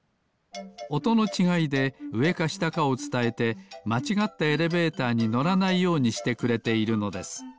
おとのちがいでうえかしたかをつたえてまちがったエレベーターにのらないようにしてくれているのです。